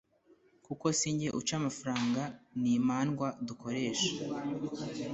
kuko sinjye uca amafaranga ni imandwa dukoresha